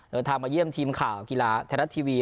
เดินทางมาเยี่ยมทีมข่าวกีฬาไทยรัฐทีวี